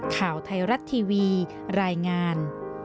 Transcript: ข่าวไทยรัฐทีวีรายงาน